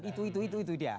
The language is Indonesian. itu itu itu dia